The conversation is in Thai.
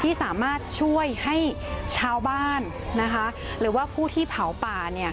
ที่สามารถช่วยให้ชาวบ้านหรือว่าผู้ที่เผาป่า